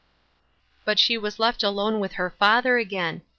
But she was left alone with her father again.